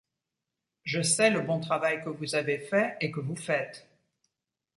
Je sais le bon travail que vous avez fait et que vous faites.